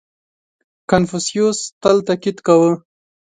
• کنفوسیوس تل تأکید کاوه.